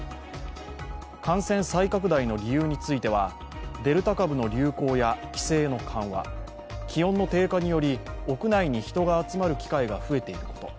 感染再拡大の理由についてはデルタ株の流行や規制の緩和、気温の低下により屋内に人が集まる機会が増えていること